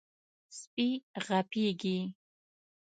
سپي غپېږي.